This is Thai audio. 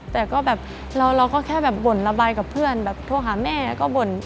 แต่ก็แบบเราก็แค่แบบบ่นระบายกับเพื่อนแบบโทรหาแม่ก็บ่น